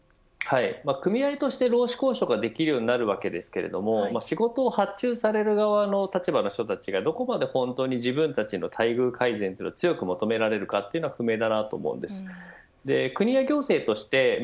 組合として労使交渉ができるようになるわけですけれど仕事を発注される側の立場の人たちがどこまで本当に、自分たちの待遇の改善を強く求められるかは不明です。